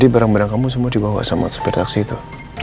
barang barang kamu semua dibawa sama sepir taksi itu